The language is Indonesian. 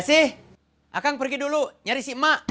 s tiga akang pergi dulu nyari si mak